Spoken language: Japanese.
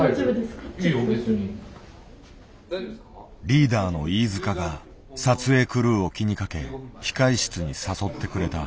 リーダーの飯塚が撮影クルーを気にかけ控え室に誘ってくれた。